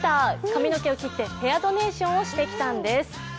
髪の毛を切ってヘアドネーションをしてきたんです。